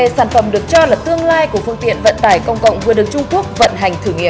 một mươi sản phẩm được cho là tương lai của phương tiện vận tải công cộng vừa được trung quốc vận hành thử nghiệm